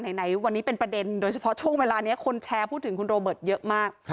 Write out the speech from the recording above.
ไหนวันนี้เป็นประเด็นโดยเฉพาะช่วงเวลานี้คนแชร์พูดถึงคุณโรเบิร์ตเยอะมาก